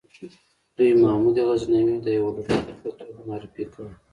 دوی محمود غزنوي د یوه لوټمار په توګه معرفي کړ.